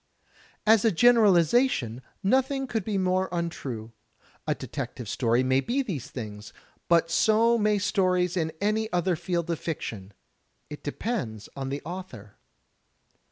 As a generalization, nothing could be more untrue. A detective story may be these things, but so may stories in any other field of fiction. It depends on the author.